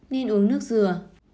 nên uống nước dừa